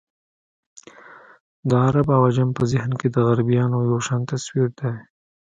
د عرب او عجم په ذهن کې د غربیانو یو شان تصویر دی.